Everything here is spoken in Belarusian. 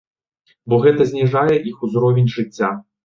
Бо гэта зніжае іх узровень жыцця.